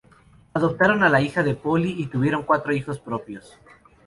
Adoptaron a la hija de Polly y tuvieron cuatro hijos propios.